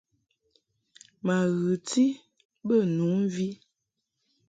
Ma ghɨti bə nu mvi.